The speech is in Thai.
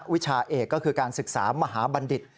วิชาเอกก็คือการศึกษามหาบัณฑิต